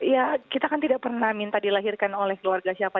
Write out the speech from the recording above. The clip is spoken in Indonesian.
ya kita kan tidak pernah minta dilahirkan oleh keluarga siapa